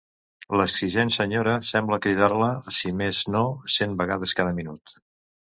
L'exigent senyora sembla cridar-la si més no cent vegades cada minut.